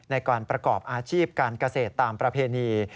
ในการประกอบอาชีพการเกษตรตามประเพณี